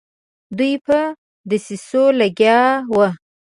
دوی په دسیسو لګیا وه.